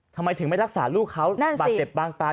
ทำไมถึงไม่รักษาลูกเขาบาดเจ็บบางตา